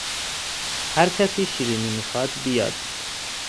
هر کسی شیرینی میخواد بیاد